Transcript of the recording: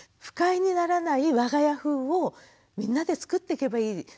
不快にならないわが家風をみんなで作っていけばいい。